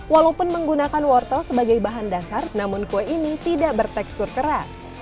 walaupun menggunakan wortel sebagai bahan dasar namun kue ini tidak bertekstur keras